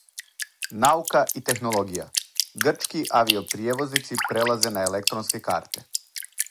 Наука и технологија: грчки авиопријевозници прелазе на електронске карте